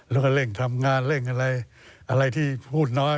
แล้วก็เร่งทำงานเร่งอะไรอะไรที่พูดน้อย